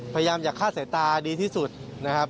พยายามอย่าฆ่าสายตาดีที่สุดนะครับ